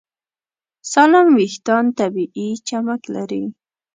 سالم وېښتيان طبیعي چمک لري.